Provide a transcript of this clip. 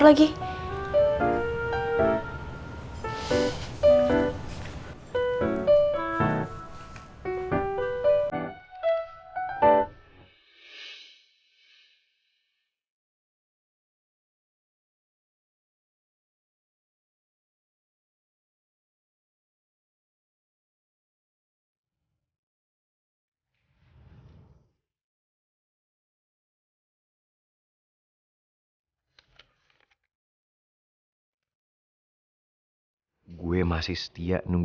sampai jumpa lagi